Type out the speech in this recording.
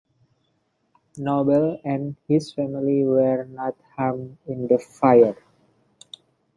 Noble and his family were not harmed in the fire.